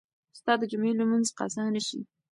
ستا د جمعې لمونځ قضا نه شي.